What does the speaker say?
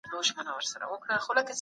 مسعود هاشمي خيرمحمد هڅاند